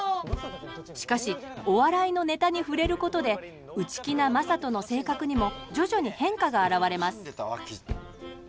しかしお笑いのネタに触れることで内気な正門の性格にも徐々に変化が現れます